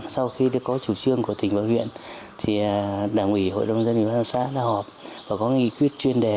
sau khi có chủ trương của tỉnh và huyện đảng ủy hội đồng dân và xã đã họp và có nghị quyết chuyên đề